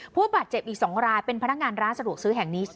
ผู้บาดเจ็บอีก๒รายเป็นพนักงานร้านสะดวกซื้อแห่งนี้